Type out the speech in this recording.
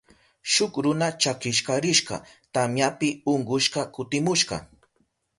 Shuk runa chakishka rishka tamyapi ukushka kutimushka.